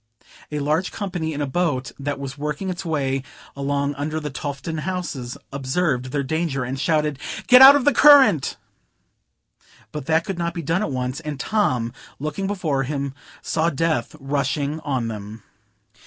A large company in a boat that was working its way along under the Tofton houses observed their danger, and shouted, "Get out of the current!" But that could not be done at once; and Tom, looking before him, saw death rushing on them.